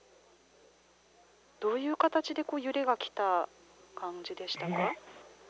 どういう形で揺れが来た感じでしたか。